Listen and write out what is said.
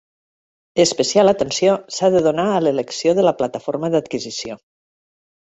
Especial atenció, s'ha de donar a l'elecció de la plataforma d'adquisició.